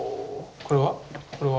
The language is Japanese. これは？